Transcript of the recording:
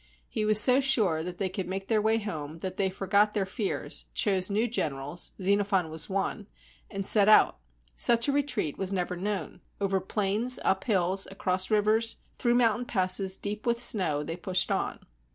He was so sure that they could make their way home that they forgot their fears, chose new generals, — Xenophon was one, — and set out. Such a retreat was never known ! Over plains, up hills, across rivers, through mountain passes deep with snow they pushed on.